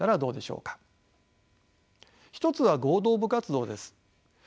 一つは合同部活動です。